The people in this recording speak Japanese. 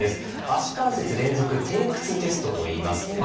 「足関節連続底屈テスト」といいます。